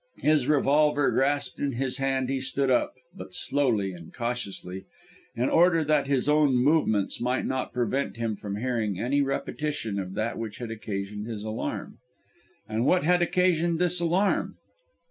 His revolver grasped in his hand, he stood up, but slowly and cautiously, in order that his own movements might not prevent him from hearing any repetition of that which had occasioned his alarm. And what had occasioned this alarm?